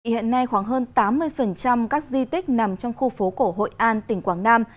hiện nay khoảng hơn tám mươi các di tích nằm trong khu phố cổ hội an tỉnh quảng nam